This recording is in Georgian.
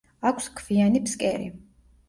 აქვს ქვიანი ფსკერი.